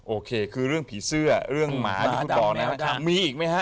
โอเคคือเรื่องผีเสื้อเรื่องหมามีอีกมั้ยฮะ